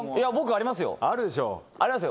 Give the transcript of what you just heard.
ありますよ